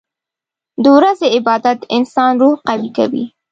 • د ورځې عبادت د انسان روح قوي کوي.